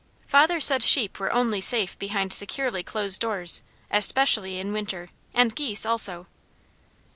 Father said sheep were only safe behind securely closed doors, especially in winter, and geese also.